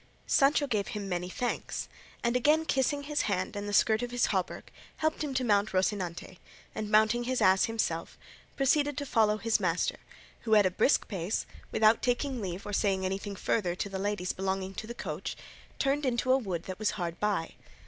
Sancho gave him many thanks, and again kissing his hand and the skirt of his hauberk, helped him to mount Rocinante, and mounting his ass himself, proceeded to follow his master, who at a brisk pace, without taking leave, or saying anything further to the ladies belonging to the coach, turned into a wood that was hard by.